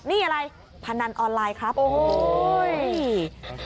นี่อะไรพนันออนไลน์ครับโอ้โห